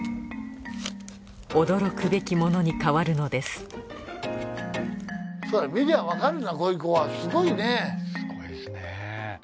驚くべきものに変わるのですこれはなんだ？